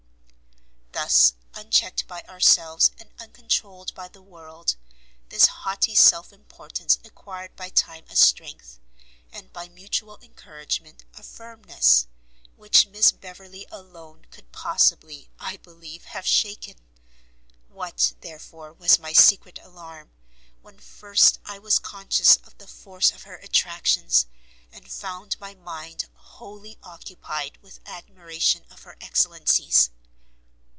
Thus, unchecked by ourselves, and uncontrouled by the world, this haughty self importance acquired by time a strength, and by mutual encouragement a firmness, which Miss Beverley alone could possibly, I believe, have shaken! What, therefore, was my secret alarm, when first I was conscious of the force of her attractions, and found my mind wholly occupied with admiration of her excellencies!